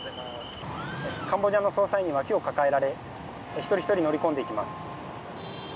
カンボジアの捜査員にわきを抱えられ一人ひとり乗り込んでいきます。